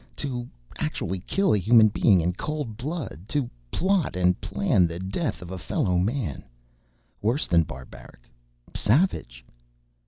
To actually kill a human being in cold blood; to plot and plan the death of a fellow man. Worse than barbaric. Savage.